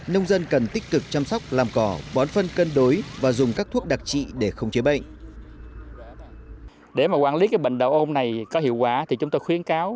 nông dân cần tích cực chăm sóc làm cỏ bón phân cân đối và dùng các thuốc đặc trị để khống chế bệnh